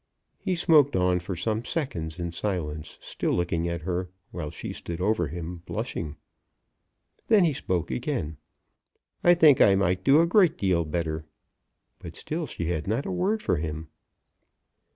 He smoked on for some seconds in silence still looking at her, while she stood over him blushing. Then he spoke again. "I think I might do a great deal better." But still she had not a word for him.